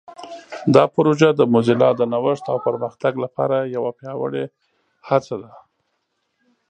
دا پروژه د موزیلا د نوښت او پرمختګ لپاره یوه پیاوړې هڅه ده.